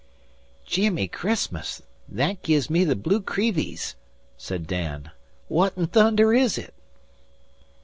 "Jimmy Christmas! Thet gives me the blue creevles," said Dan. "What in thunder is it?"